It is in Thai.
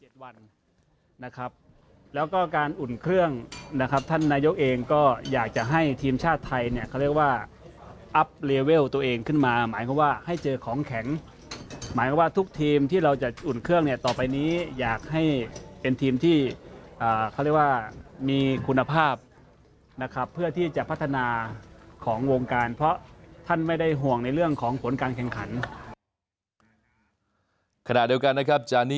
ส่วนเรื่องของสัญญาณในการคุมทีมชาติไทยซิโก้เปิดเผยว่าจะมีการคุมทีมชาติไทยซิโก้เปิดเผยว่าจะมีการคุมทีมชาติไทยซิโก้เปิดเผยว่าจะมีการคุมทีมชาติไทยซิโก้เปิดเผยว่าจะมีการคุมทีมชาติไทยซิโก้เปิดเผยว่าจะมีการคุมทีมชาติไทยซิโก้เปิดเผยว่าจะมีการคุมทีมชาติ